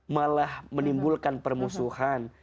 malah menimbulkan permusuhan